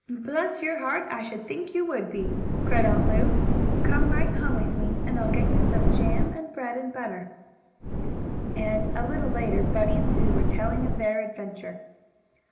"Bless your heart! I should think you would be!" cried Aunt Lu. "Come right home with me and I'll get you some jam and bread and butter." And, a little later, Bunny and Sue were telling of their adventure.